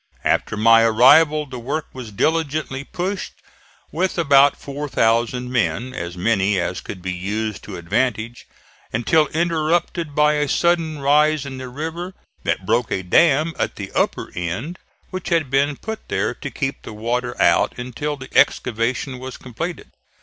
After my arrival the work was diligently pushed with about 4,000 men as many as could be used to advantage until interrupted by a sudden rise in the river that broke a dam at the upper end, which had been put there to keep the water out until the excavation was completed.